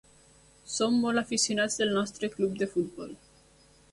Som molt aficionats del nostre club de futbol.